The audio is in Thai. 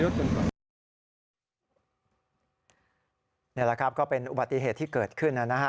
นี่แหละครับก็เป็นอุบัติเหตุที่เกิดขึ้นนะฮะ